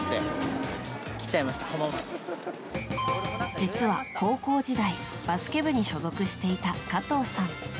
実は高校時代バスケ部に所属していた加藤さん。